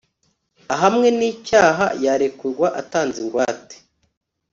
ahamwe n icyaha yarekurwa atanze ingwate